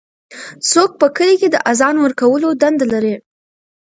څوک په کلي کې د اذان ورکولو دنده لري؟